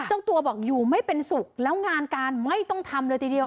เจ้าตัวบอกอยู่ไม่เป็นสุขแล้วงานการไม่ต้องทำเลยทีเดียว